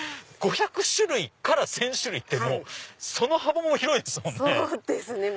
５００種類から１０００種類ってその幅も広いですもんね。